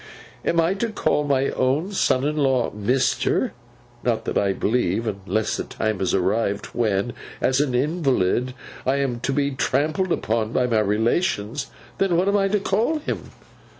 Am I to call my own son in law, Mister! Not, I believe, unless the time has arrived when, as an invalid, I am to be trampled upon by my relations. Then, what am I to call him!